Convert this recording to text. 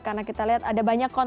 karena kita lihat ada banyak konten